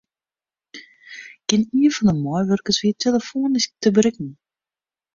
Gjinien fan de meiwurkers wie telefoanysk te berikken.